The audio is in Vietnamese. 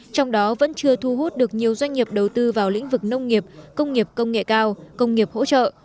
trong đó vẫn chưa thu hút được nhiều doanh nghiệp đầu tư vào lĩnh vực nông nghiệp công nghiệp công nghệ cao công nghiệp hỗ trợ